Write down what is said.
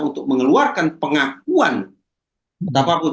untuk mengeluarkan pengakuan yang sudah diperiksa oleh petugas dan pengamanku